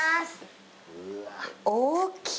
大きい！